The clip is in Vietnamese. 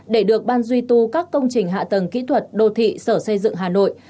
để được ban duy tu các công trình hạ tầng kỹ thuật đô thị sở xây dựng hà nội